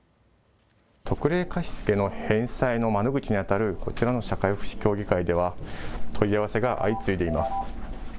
特例貸付の対応に当たるこちらの社会福祉協議会では問い合わせが相次いでいます。